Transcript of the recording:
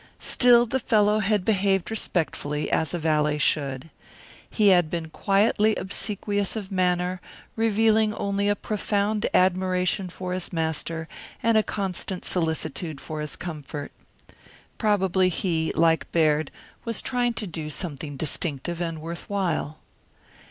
Still, the fellow had behaved respectfully, as a valet should. He had been quietly obsequious of manner, revealing only a profound admiration for his master and a constant solicitude for his comfort. Probably he, like Baird, was trying to do something distinctive and worth while.